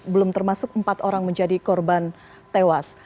belum termasuk empat orang menjadi korban tewas